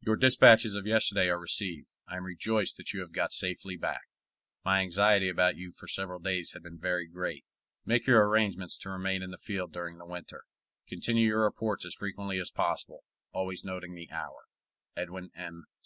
Your dispatches of yesterday are received. I am rejoiced that you have got safely back. My anxiety about you for several days had been very great. Make your arrangements to remain in the field during the winter. Continue your reports as frequently as possible, always noting the hour. EDWIN M.